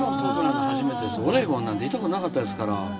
オレゴンなんて行ったことなかったですから。